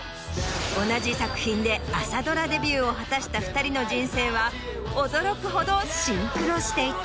同じ作品で朝ドラデビューを果たした２人の人生は驚くほどシンクロしていた。